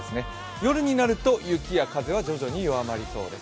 夜になると雪や風は徐々に弱まりそうです。